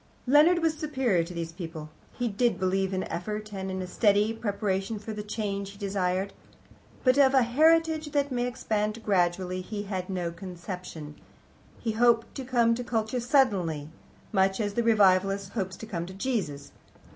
Leonard was superior to these people; he did believe in effort and in a steady preparation for the change that he desired. But of a heritage that may expand gradually, he had no conception: he hoped to come to Culture suddenly, much as the Revivalist hopes to come to Jesus.